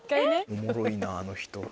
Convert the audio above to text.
おもろいなあの人。